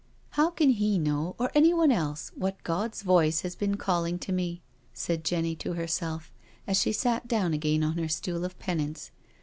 " How can he know, or anyone else, what God's Voice has been calling to me," said Jenny to herself, as BEHIND PRISON BARS 265 she sat down again on her stool of penance.